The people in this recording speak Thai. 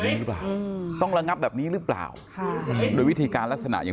อย่างนี้หรือเปล่าต้องระงับแบบนี้หรือเปล่าค่ะโดยวิธีการลักษณะอย่าง